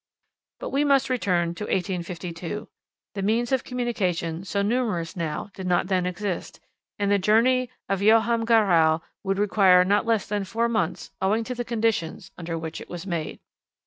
But we must return to 1852. The means of communication, so numerous now, did not then exist, and the journey of Joam Garral would require not less than four months, owing to the conditions under which it was made.